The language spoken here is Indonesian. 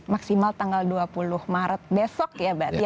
maksimal tanggal dua puluh maret besok ya